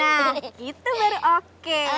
nah gitu baru oke